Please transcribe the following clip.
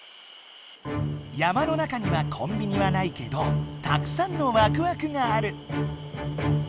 山の中にはコンビニはないけどたくさんのワクワクがある。